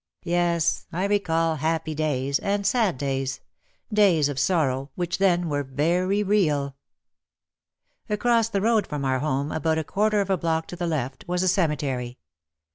Yes, I recall happy days, and sad days — days of sor row which then were very real. Across the road from our home, about a quarter of a block to the left, was a cemetery.